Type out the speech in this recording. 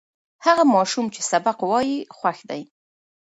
هغه ماشوم چې سبق وایي، خوښ دی.